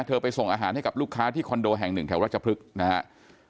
เธอไปส่งอาหารให้กับลูกค้าที่คอนโดแห่ง๑แถวรัชพฤษนะครับ